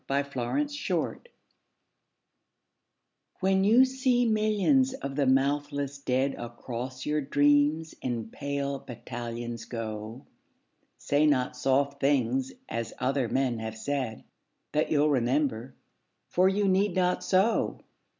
XCI The Army of Death WHEN you see millions of the mouthless dead Across your dreams in pale battalions go, Say not soft things as other men have said, That you'll remember. For you need not so.